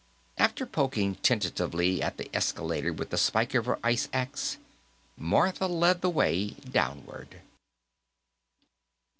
After poking tentatively at the escalator with the spike of her ice axe, Martha led the way downward.